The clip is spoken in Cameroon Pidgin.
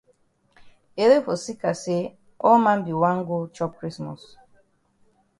Ele for seka say all man be wan go chop krismos.